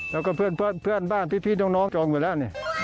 แล้วก็เพื่อนบ้านพี่น้องจองหมดแล้ว